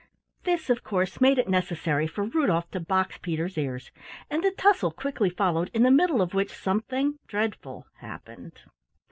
This, of course, made it necessary for Rudolf to box Peter's ears, and a tussle quickly followed, in the middle of which something dreadful happened.